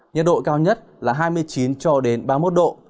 nhiệt độ cao nhất là hai mươi chín cho đến ba mươi một độ